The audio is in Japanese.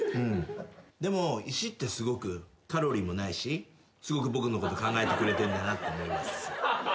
でも石ってすごくカロリーもないしすごく僕のこと考えてくれてるんだなって思います。